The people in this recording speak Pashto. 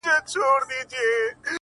نه محتاج د تاج او ګنج نه د سریر یم،